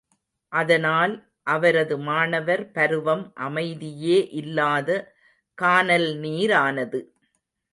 அதனால் அவரது மாணவர் பருவம் அமைதியே இல்லாத கானல் நீரானது.